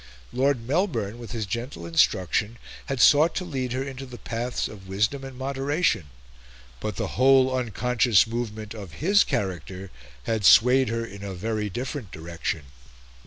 Lord Melbourne with his gentle instruction had sought to lead her into the paths of wisdom and moderation, but the whole unconscious movement of his character had swayed her in a very different direction.